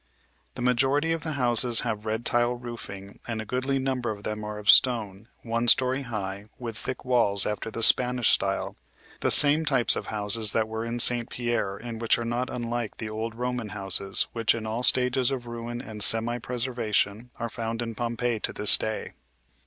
The majority of the houses have red tile roofing and a goodly number of them are of stone, one story high, with thick walls after the Spanish style the same types of houses that were in St. Pierre and which are not unlike the old Roman houses which in all stages of ruin and semi preservation are found in Pompeii to this day.